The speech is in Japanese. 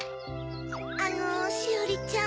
あのしおりちゃん